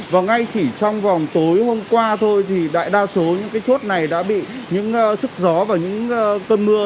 và ngay chỉ trong vòng tối hôm qua thôi thì đại đa số những cái chốt này đã bị những sức gió và những cơn mưa